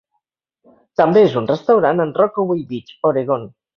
També és un restaurant en Rockaway Beach, Oregon.